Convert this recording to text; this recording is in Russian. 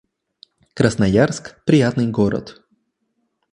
Красноярск — приятный город